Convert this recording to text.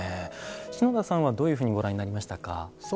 篠田さんはどういうふうにご覧になりましたか？